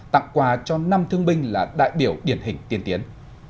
tặng quà cho năm thương binh là đại biểu điển hình tiên tiến